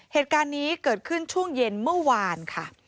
เหตุการณ์นี้เกิดขึ้นช่วงเย็นเมื่อวานค่ะ